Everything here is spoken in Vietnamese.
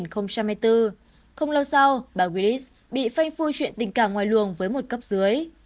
không lâu sau bà willis bị phanh phu chuyện tình cảm ngoài luồng với một cấp dưới